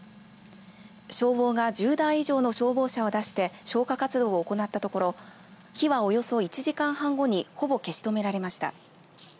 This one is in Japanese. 消防が１０台以上の消防車を出して消火活動を行ったところ火は、およそ１時間半後にほぼ消し止められました。